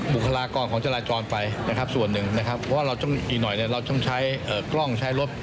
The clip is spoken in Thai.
บุคลากรของฌรายจรไปนะครับส่วนนึงนะครับ